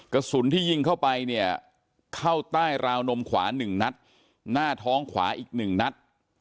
กระสุนที่ยิงเข้าไปเนี่ยเข้าใต้ราวนมขวา๑นัดหน้าท้องขวาอีก๑นัด